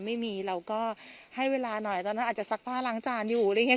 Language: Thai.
ไม่มีเราก็ให้เวลาหน่อยตอนนั้นอาจจะซักผ้าล้างจานอยู่อะไรอย่างนี้